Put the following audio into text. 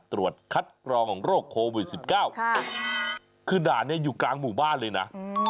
ตรวจคัดกรองโรคโควิด๑๙คือด่านนี้อยู่กลางหมู่บ้านเลยนะ